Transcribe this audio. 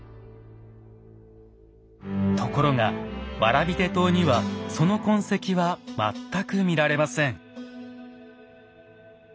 ところが蕨手刀にはその痕跡は全く見られません。